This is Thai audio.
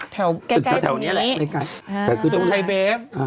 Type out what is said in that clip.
แถวแก้แก้แถวนี้แหละแค่ใกล้แต่คือตรงไทยเบสอ่า